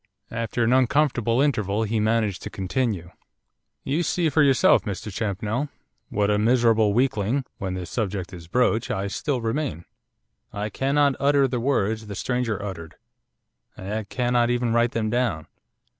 After an uncomfortable interval he managed to continue. 'You see for yourself, Mr Champnell, what a miserable weakling, when this subject is broached, I still remain. I cannot utter the words the stranger uttered, I cannot even write them down.